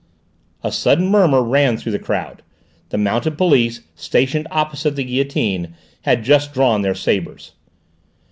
A sudden murmur ran through the crowd. The mounted police, stationed opposite the guillotine, had just drawn their sabres.